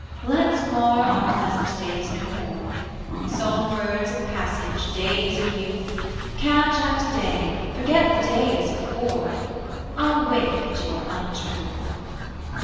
Let's mar our pleasant days no more, Song birds of passage, days of youth: Catch at to day, forget the days before: I'll wink at your untruth.